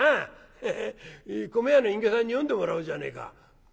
ヘヘ米屋の隠居さんに読んでもらおうじゃねえか。